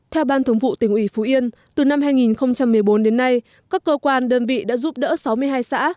theo ban thường vụ tỉnh ủy phú yên từ năm hai nghìn một mươi bốn đến nay các cơ quan đơn vị đã giúp đỡ sáu mươi hai xã